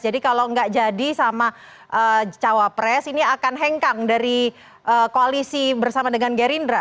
jadi kalau nggak jadi sama cawapres ini akan hengkang dari koalisi bersama dengan gerindra